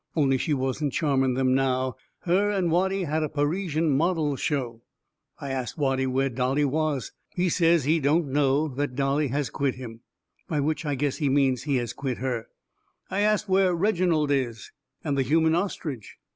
Only she wasn't charming them now. Her and Watty had a Parisian Models' show. I ast Watty where Dolly was. He says he don't know, that Dolly has quit him. By which I guess he means he has quit her. I ast where Reginald is, and the Human Ostrich.